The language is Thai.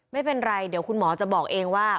ไม่เป็นไรเดี๋ยวคุณหมอจะบอกเองว่า